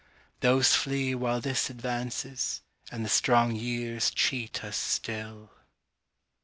Those flee while this advances, And the strong years cheat us still.